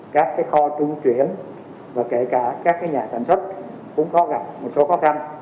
các kho trung chuyển và kể cả các nhà sản xuất cũng có gặp một số khó khăn